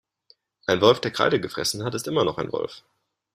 Ein Wolf, der Kreide gefressen hat, ist immer noch ein Wolf.